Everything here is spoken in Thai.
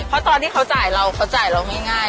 เพราะตอนที่เขาจ่ายเราเขาจ่ายเราง่าย